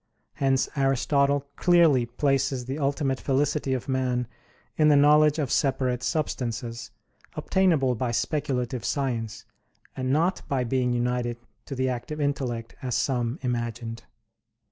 Hence Aristotle clearly places the ultimate felicity of man in the knowledge of separate substances, obtainable by speculative science; and not by being united to the active intellect as some imagined.